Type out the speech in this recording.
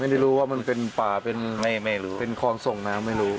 ไม่รู้ว่ามันเป็นป่าเป็นคองส่งนะไม่รู้